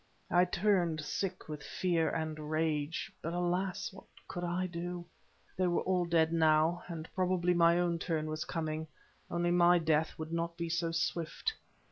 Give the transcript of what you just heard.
I turned sick with fear and rage. But alas! what could I do? They were all dead now, and probably my own turn was coming, only my death would not be so swift.